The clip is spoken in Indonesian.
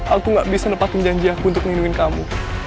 aku gak bisa nepatin janji aku untuk nindungin kamu